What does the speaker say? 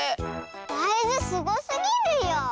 だいずすごすぎるよ。